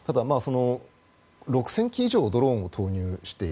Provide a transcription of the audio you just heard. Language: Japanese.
ただ、６０００機以上ドローンを投入している。